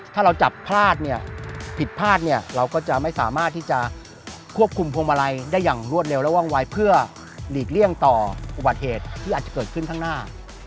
ถ้าเราจับพลาดเนี่ยผิดพลาดเนี่ยเราก็จะไม่สามารถที่จะควบคุมพวงมาลัยได้อย่างรวดเร็วและว่องวายเพื่อหลีกเลี่ยงต่ออุบัติเหตุที่อาจจะเกิดขึ้นข้างหน้า